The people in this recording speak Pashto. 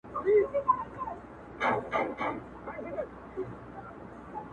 • چي دي شراب، له خپل نعمته ناروا بلله.